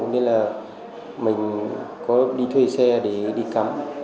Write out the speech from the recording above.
nên là mình có đi thuê xe để đi cắm